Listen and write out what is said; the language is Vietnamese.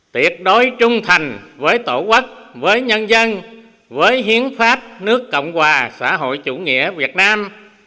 tuyệt đối trung thành với tổ quốc với nhân dân với hiến pháp nước cộng hòa xã hội chủ nghĩa việt nam